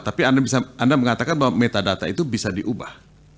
tapi anda mengatakan bahwa metadata itu bisa diubah